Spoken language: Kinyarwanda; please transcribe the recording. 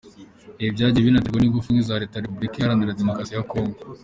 Ibi byagiye binaterwa n’ingufu nke za leta ya Repubulika Iharanira Demokarasi ya Congo.